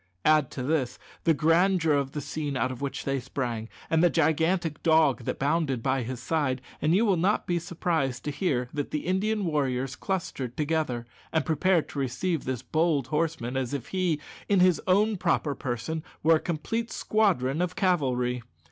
Add to this the grandeur of the scene out of which they sprang, and the gigantic dog that bounded by his side, and you will not be surprised to hear that the Indian warriors clustered together, and prepared to receive this bold horseman as if he, in his own proper person, were a complete squadron of cavalry.